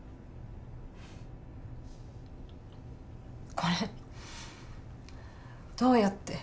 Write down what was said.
これどうやって？